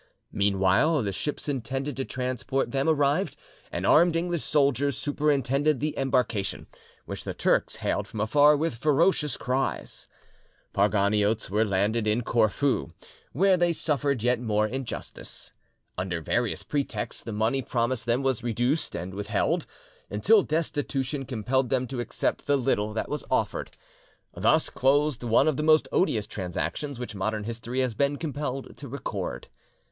Meanwhile, the ships intended to transport them arrived, and armed English soldiers superintended the embarkation, which the Turks hailed from afar with, ferocious cries. The Parganiotes were landed in Corfu, where they suffered yet more injustice. Under various pretexts the money promised them was reduced and withheld, until destitution compelled them to accept the little that was offered. Thus closed one of the most odious transactions which modern history has been compelled to record.